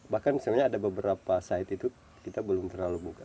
bahkan sebenarnya ada beberapa site itu kita belum terlalu buka